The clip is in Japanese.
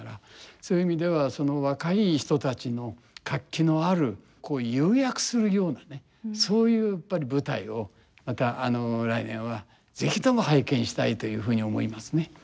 そういう意味ではその若い人たちの活気のあるこう勇躍するようなねそういうやっぱり舞台をまた来年は是非とも拝見したいというふうに思いますね。